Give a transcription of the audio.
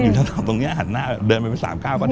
อยู่ตรงเนี่ยหันหน้าเดินไปไปสามข้าวก็ถึง